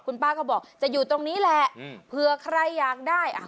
คุณป้าก็บอกจะอยู่ตรงนี้แหละอืมเผื่อใครอยากได้อ่ะ